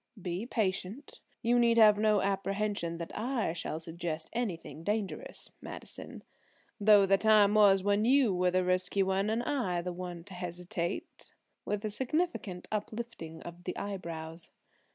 "Be patient. You need have no apprehension that I shall suggest anything dangerous, Madison; though the time was when you were the risky one and I the one to hesitate," with a significant uplifting of the eyebrows.